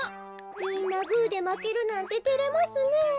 みんなグーでまけるなんててれますねえ。